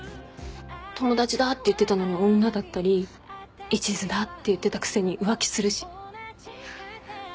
友達だって言ってたのに女だったりいちずだって言ってたくせに浮気するし。